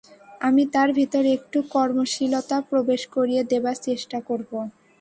আমি তাঁর ভেতর একটু কর্মশীলতা প্রবেশ করিয়ে দেবার চেষ্টা করব।